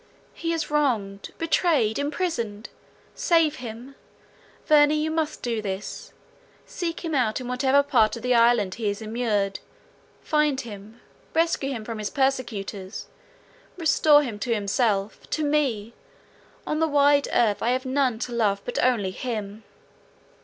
He is wronged, betrayed, imprisoned—save him! Verney, you must do this; seek him out in whatever part of the island he is immured; find him, rescue him from his persecutors, restore him to himself, to me—on the wide earth I have none to love but only him!"